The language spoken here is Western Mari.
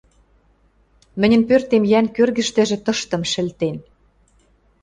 Мӹньӹн пӧртем йӓнг кӧргӹштӹжӹ тыштым шӹлтен...